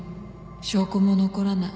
証拠も残らない